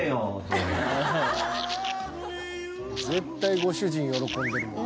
絶対ご主人喜んでるもん。